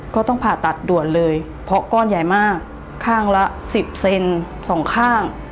ก็ต้องผ่าตัดด่วนเลยเพราะก้อนใหญ่มากข้างละ๑๐เซนสองข้าง